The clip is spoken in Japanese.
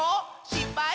しっぱい？